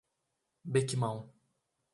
Bequimão